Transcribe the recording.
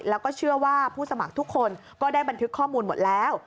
แล้วก็เชื่อว่าผู้สมัครทุกคนก็ได้บันทึกข้อมูลหมดแล้ว